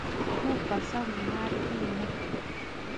پوخ قسم ماتې نه خوري